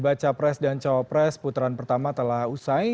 debat capres dan copres putaran pertama telah usai